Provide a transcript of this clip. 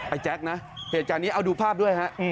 แจ๊คนะเหตุการณ์นี้เอาดูภาพด้วยฮะ